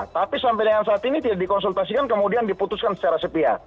tapi sampai dengan saat ini tidak dikonsultasikan kemudian diputuskan secara sepia